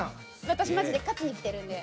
私マジで勝ちに来てるんで。